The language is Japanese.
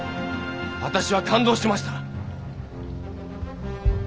私は感動しました。